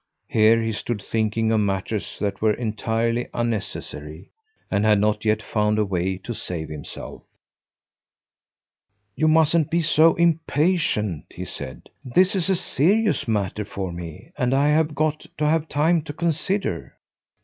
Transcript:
Here he stood thinking of matters that were entirely unnecessary, and had not yet found a way to save himself! "You mustn't be so impatient," he said. "This is a serious matter for me, and I've got to have time to consider."